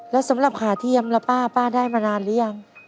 แล้วสำหรับขาเทียมล่ะป้าป้าได้มานานหรือยัง